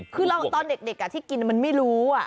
คือตอนเด็กที่กินมันไม่รู้